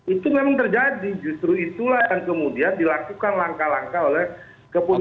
itu memang terjadi justru itulah yang kemudian dilakukan langkah langkah oleh kepolisian